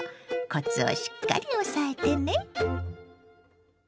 コツをしっかり押さえてね。